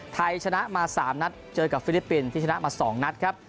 ไทยชนะมา๓นัดเจอกับฟิลิปปินส์ที่ชนะมา๒นัดครับ